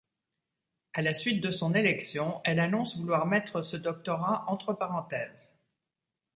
À la suite de son élection, elle annonce vouloir mettre ce doctorat entre parenthèses.